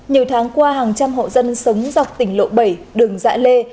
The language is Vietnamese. nhiều tháng qua hàng trăm hộ dân sống dọc tỉnh lộ bảy đường dãi lê